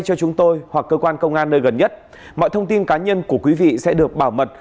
cho chúng tôi hoặc cơ quan công an nơi gần nhất mọi thông tin cá nhân của quý vị sẽ được bảo mật